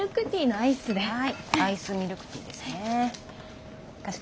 アイスミルクティーですね。